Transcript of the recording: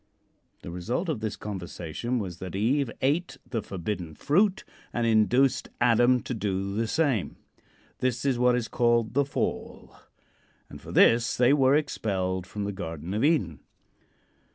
The result of this conversation was that Eve ate the forbidden fruit and induced Adam to do the same. This is what is called the "Fall," and for this they were expelled from the Garden of Eden.